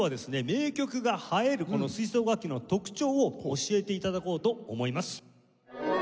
名曲が映える吹奏楽器の特徴を教えて頂こうと思います。